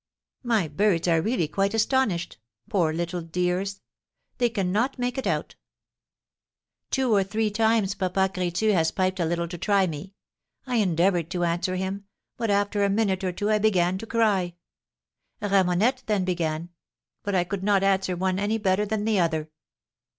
My birds are really quite astonished. Poor little dears! They cannot make it out. Two or three times Papa Crétu has piped a little to try me; I endeavoured to answer him, but, after a minute or two, I began to cry. Ramonette then began; but I could not answer one any better than the other."